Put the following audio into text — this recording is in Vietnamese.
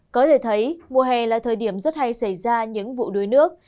có thể thấy mùa hè là thời điểm rất hay xảy ra những vụ đuối nước